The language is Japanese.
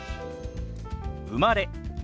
「生まれ」。